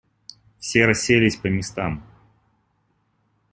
Все расселись по местам.